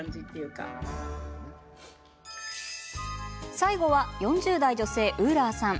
最後は、４０代女性ウーラーさん。